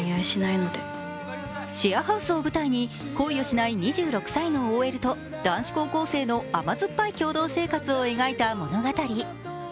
シェアハウスを舞台に、恋をしない２６歳のＯＬと男子高校生の甘酸っぱい共同生活を描いた物語。